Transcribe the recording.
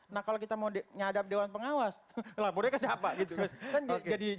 nah kalau kita mau nyadap dewan pengawas lapornya ke siapa gitu